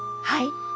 はい。